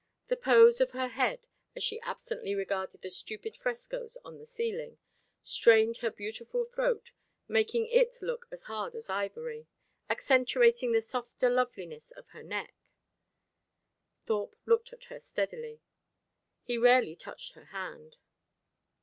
The pose of her head, as she absently regarded the stupid frescoes on the ceiling, strained her beautiful throat, making it look as hard as ivory, accentuating the softer loveliness of the neck. Thorpe looked at her steadily. He rarely touched her hand.